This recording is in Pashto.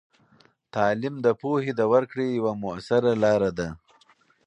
تعلیم د پوهې د ورکړې یوه مؤثره لاره ده.